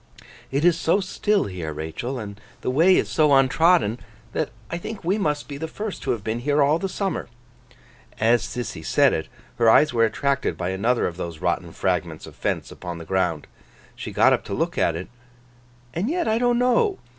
'It is so still here, Rachael, and the way is so untrodden, that I think we must be the first who have been here all the summer.' As Sissy said it, her eyes were attracted by another of those rotten fragments of fence upon the ground. She got up to look at it. 'And yet I don't know.